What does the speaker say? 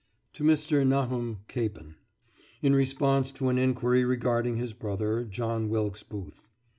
TO MR. NAHUM CAPEN [In response to an inquiry regarding his brother, John Wilkes Booth.